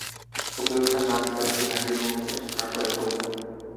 Kobylka následně zahynul v troskách letounu.